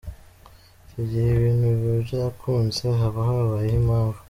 Icyo gihe ibintu biba byakunze, haba habayeho impamvu.